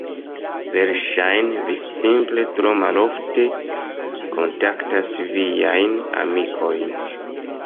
Verŝajne vi simple tro malofte kontaktas viajn amikojn.